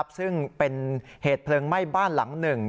ซึ่งเป็นเหตุเพลิงไหม้บ้านหลังหนึ่ง